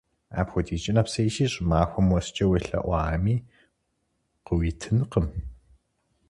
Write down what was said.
Апхуэдизкӏэ нэпсейщи, щӏымахуэм уэскӏэ уелъэӏуами къыуитынкъым.